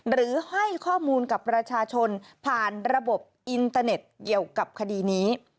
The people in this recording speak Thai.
หรือให้ข้อมูลกับประชาชนผ่านระบบอินเตอร์เน็ตเกี่ยวกับคดีนี้